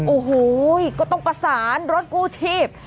โอ้โหก็ต้องประสานรถกู้ชีพ